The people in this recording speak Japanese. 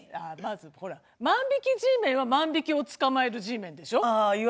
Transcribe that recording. まず万引きＧメンは万引きを捕まえるＧメンでしょ。